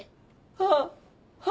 あっはい。